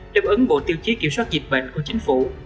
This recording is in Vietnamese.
đáp ứng bộ tiêu chí kiểm soát dịch bệnh của chính phủ